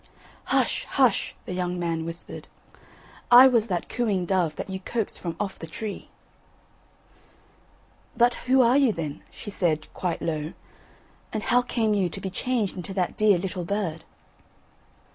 "Hush! hush!" the young man whispered. "I was that cooing dove that you coaxed from off the tree." "But who are you then?" she said quite low; "and how came you to be changed into that dear little bird?"